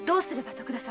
徳田様。